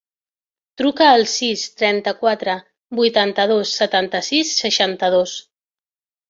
Truca al sis, trenta-quatre, vuitanta-dos, setanta-sis, seixanta-dos.